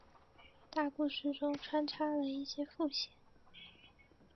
大故事中穿插了一些副线。